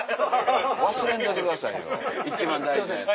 忘れんといてくださいよ一番大事なやつ。